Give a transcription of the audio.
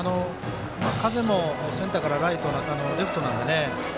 風もセンターからレフトなんでね。